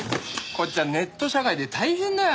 こっちはネット社会で大変だよ。